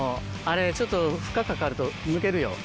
あれちょっと負荷かかると抜けるよ。